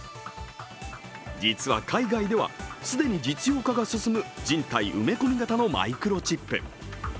実は海外では既に実用化が進む人体埋め込み型のマイクロチップ。